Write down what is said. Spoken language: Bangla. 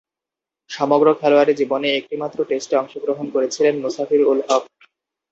সমগ্র খেলোয়াড়ী জীবনে একটিমাত্র টেস্টে অংশগ্রহণ করেছেন মুফাসির-উল-হক।